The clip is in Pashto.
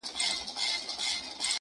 • ستا شاعرۍ ته سلامي كومه.